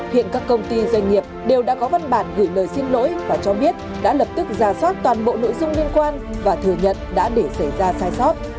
hiện các công ty doanh nghiệp đều đã có văn bản gửi lời xin lỗi và cho biết đã lập tức ra soát toàn bộ nội dung liên quan và thừa nhận đã để xảy ra sai sót